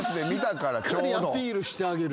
しっかりアピールしてあげる。